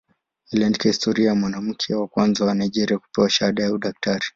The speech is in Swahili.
Aliandika historia kama mwanamke wa kwanza wa Nigeria kupewa shahada ya udaktari.